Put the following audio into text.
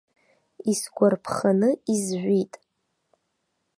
Исгәарԥханы изжәит.